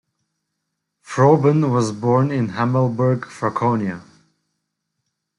Froben was born in Hammelburg, Franconia.